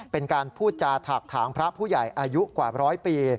เป็นการพูดจาถากถางพระผู้ใหญ่อายุกว่าร้อยปี